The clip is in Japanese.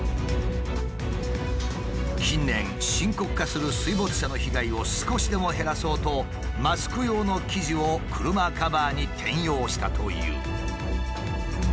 近年深刻化する水没車の被害を少しでも減らそうとマスク用の生地を車カバーに転用したという。